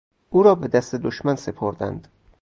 اورابدست دشمن سپردند